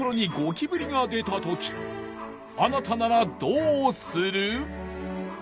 あなたならどうする？